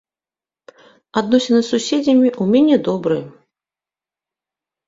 Адносіны з суседзямі ў мяне добрыя.